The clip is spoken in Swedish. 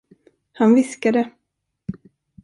Han viskade.